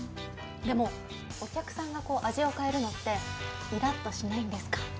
でも、お客さんが味を変えるのってイラッとしないんですか？